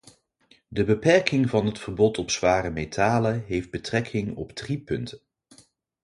De beperking van het verbod op zware metalen heeft betrekking op drie punten.